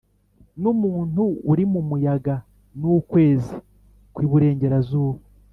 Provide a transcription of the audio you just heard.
numuntu uri mumuyaga nukwezi kwi burengerazuba;